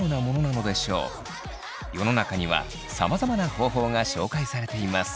世の中にはさまざまな方法が紹介されています。